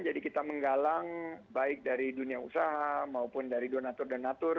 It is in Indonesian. jadi kita menggalang baik dari dunia usaha maupun dari donator donator